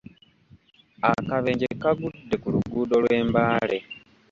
Akabenje kagudde ku luguudo lw'e Mbale.